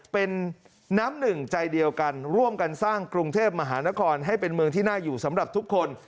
เป็นน้ำหนึ่งใจเดียวกันร่วมกันสร้างกรุงเทพมหานครให้เป็นเมืองที่น่าอยู่สำหรับทุกคน